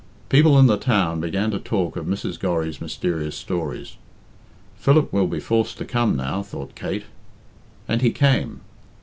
People in the town began to talk of Mrs. Gorry's mysterious stories. "Philip will be forced to come now," thought Kate; and he came.